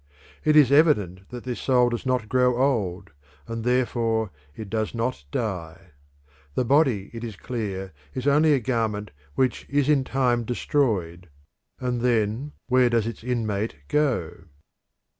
It is evident that this soul does not grow old, and therefore it does not die. The body, it is clear, is only a garment which is in time destroyed, and then where does its inmate go?